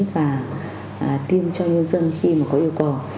và tiêm cho nhân dân khi có yêu cầu